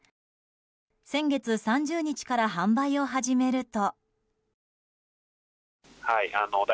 先月３０日から販売を始めると。